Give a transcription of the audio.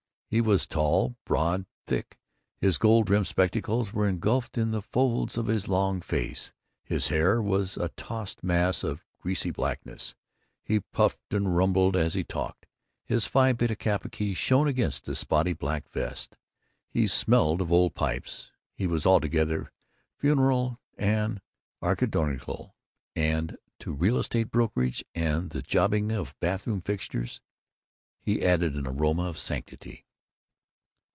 He was tall, broad, thick; his gold rimmed spectacles were engulfed in the folds of his long face; his hair was a tossed mass of greasy blackness; he puffed and rumbled as he talked; his Phi Beta Kappa key shone against a spotty black vest; he smelled of old pipes; he was altogether funereal and archidiaconal; and to real estate brokerage and the jobbing of bathroom fixtures he added an aroma of sanctity.